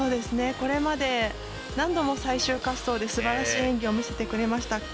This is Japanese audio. これまで何度も最終滑走ですばらしい演技を見せてくれました。